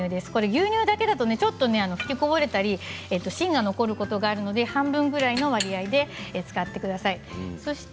牛乳だけだと吹きこぼれたり芯が残ることがあるので半分ぐらいの割合で使ってください。